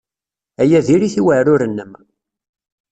Aya diri-t i uɛrur-nnem.